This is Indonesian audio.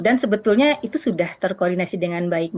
dan sebetulnya itu sudah terkoordinasi dengan baik